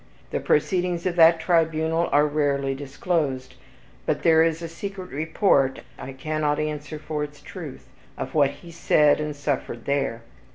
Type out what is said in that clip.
The proceedings of that tribunal are rarely disclosed, but there is a secret report (I cannot answer for its truth) of what he said and suffered there.